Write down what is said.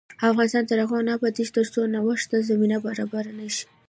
افغانستان تر هغو نه ابادیږي، ترڅو نوښت ته زمینه برابره نشي.